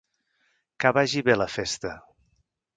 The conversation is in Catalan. Que vagi bé la festa.